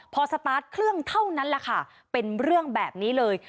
พอสตาร์ทเครื่องเท่านั้นแหละค่ะเป็นเรื่องแบบนี้เลย